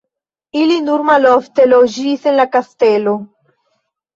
Ili nur malofte loĝis en la kastelo.